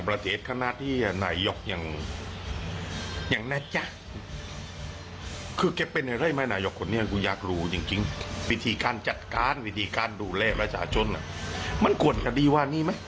อ้าวไปดูคลิปค่ะ